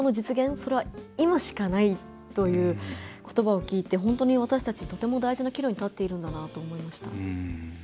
それは、今しかないということばを聞いて、本当に私たちとても大事な岐路に立っているんだなと思いました。